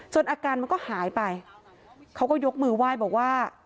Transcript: อาการมันก็หายไปเขาก็ยกมือไหว้บอกว่า